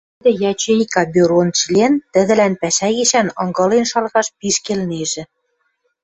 Тӹдӹ ячейка бюрон член, тӹдӹлӓн пӓшӓ гишӓн ынгылен шалгаш пиш келнежӹ.